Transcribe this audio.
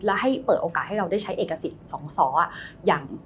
และให้เปิดโอกาสให้เราได้ใช้เอกสิทธิ์สองสออย่าง